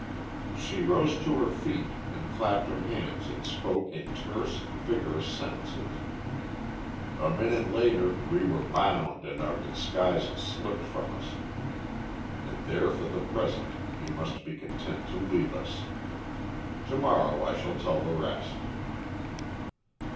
"She rose to her feet and clapped her hands and spoke in terse, vigorous sentences. A minute later we were bound and our disguises slipped from us. And there for the present you must be content to leave us. To morrow I shall tell the rest."